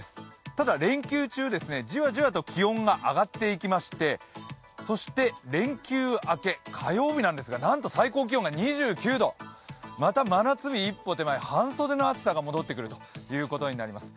ただ、連休中、じわじわと気温が上がっていきまして連休明け、火曜日なんですが、なんと最高気温が２９度、また真夏日一歩手前半袖の暑さが戻ってくるということになります。